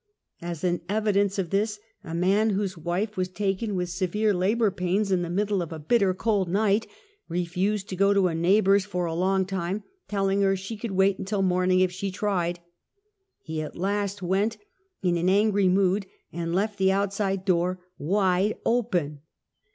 As an evidence of this, a man whose wife was taken with severe labor pains in the middle of a bitter cold night, refused to go to a neighbor's for a long time, telling her she could wait until morning if she tried. He at last went in an angry mood and left the out side door wdde open.